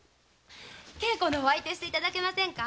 稽古のお相手していただけませんか？